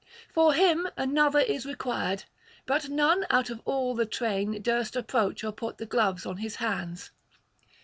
For him another is required; but none out of all the train durst approach or put the gloves on his hands.